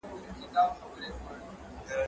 زه قلم نه استعمالوموم